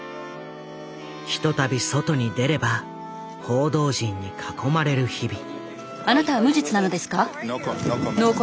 ひとたび外に出れば報道陣に囲まれる日々。